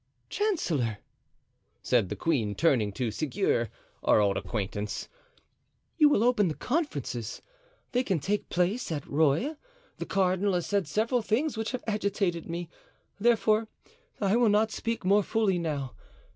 "Chancellor," said the queen, turning to Seguier, our old acquaintance, "you will open the conferences. They can take place at Rueil. The cardinal has said several things which have agitated me, therefore I will not speak more fully now.